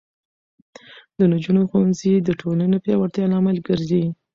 د نجونو ښوونځی د ټولنې پیاوړتیا لامل ګرځي.